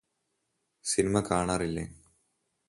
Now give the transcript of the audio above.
cinema കാണാറില്ലേ